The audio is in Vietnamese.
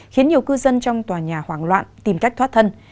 khiến nhiều cư dân trong tòa nhà hoảng loạn tìm cách thoát thân